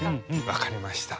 分かりました。